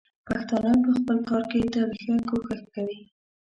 پښتانه په خپل کار کې تل ښه کوښښ کوي.